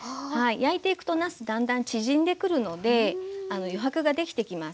焼いていくとなすだんだん縮んでくるので余白ができてきます。